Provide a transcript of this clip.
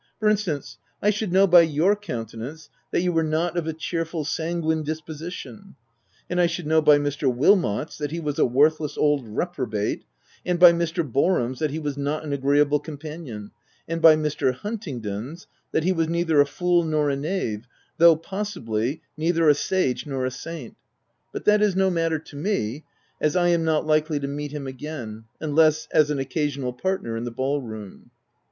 For instance, I should know by your countenance that you were not of a cheerful, sanguine disposition ; and I should know by Mr. Wilmot's that he was a worthless old reprobate, and by Mr. Boar ham's that he was not an agreeable companion, and by Mr. Huntingdon's that he was neither a fool nor a knave, though, possibly, neither a sage nor a saint — but that is no matter to me, as I am not likely to meet him again — unless as an occasional partner in the ballroom.